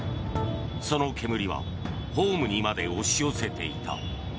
その煙はホームにまで押し寄せていた。